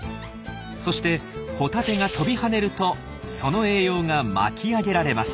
そしてホタテが跳びはねるとその栄養が巻き上げられます。